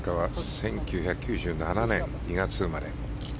１９９７年２月生まれ。